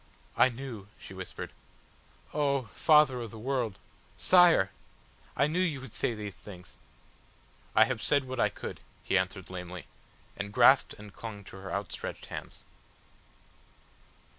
"I knew," she whispered. "Oh! Father of the World Sire! I knew you would say these things...." "I have said what I could," he answered lamely and grasped and clung to her outstretched hands.